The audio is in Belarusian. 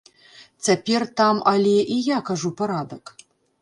Цяпер там, але, і я кажу, парадак.